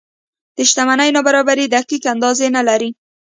د شتمنۍ نابرابرۍ دقیقه اندازه نه لري.